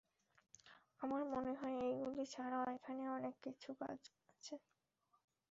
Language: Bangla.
আমার মনে হয় এইগুলি ছাড়াও এখানে অনেক কিছু কাজ আছে।